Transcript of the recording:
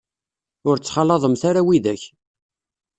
Ur ttxalaḍemt ara widak.